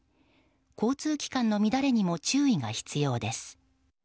交通機関の乱れにも注意が必要です。